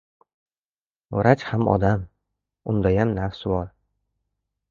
Vrach ham odam. Undayam nafs bor.